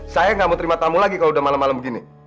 saya gak mau terima tamu lagi kalo udah malam malam begini